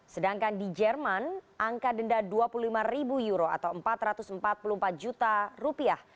sedangkan di jerman angka denda dua puluh lima ribu euro atau empat ratus empat puluh empat juta rupiah